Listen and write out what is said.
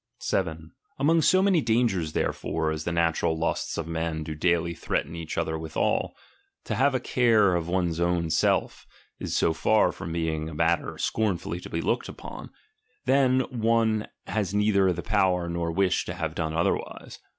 7. Among so many dangers therefore, as the natural lusts of men do daily threaten each other withal, to have a care of one's self is so far from being a matter scornfully to be looked upon, that one has neither the power nor wish to have done otherwise.